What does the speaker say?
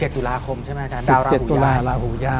๑๗ตุลาคมดาวราหุย้าย